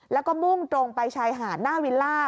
แล้วก็มุ่งตรงไปชายหาดหน้าวิลล่า